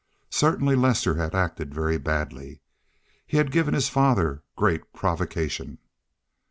Certainly Lester had acted very badly. He had given his father great provocation.